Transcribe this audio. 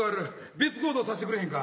別行動さしてくれへんか？